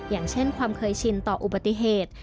อย่างเช่นความเคยชินต่ออุบัติเหตุ